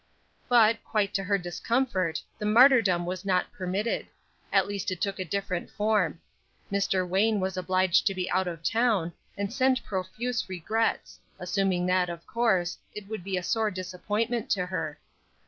But, quite to her discomfort, the martyrdom was not permitted; at least it took a different form. Mr. Wayne was obliged to be out of town, and sent profuse regrets, assuming that, of course, it would be a sore disappointment to her.